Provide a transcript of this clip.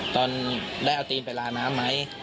ตอนได้เอาตีนไปลาน้ำไหม